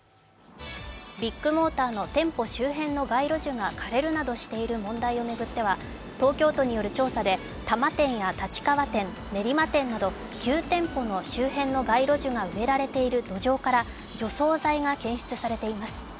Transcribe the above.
ビッグモーターの店舗周辺の街路樹が枯れるなどしている問題を巡っては東京都による調査で、多摩店や立川店練馬店など９店舗の周辺の街路樹が植えられている土壌から除草剤が検出されています。